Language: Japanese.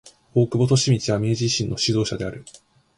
大久保利通は明治維新の指導者である。